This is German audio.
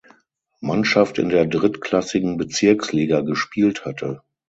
Mannschaft in der drittklassigen Bezirksliga gespielt hatte.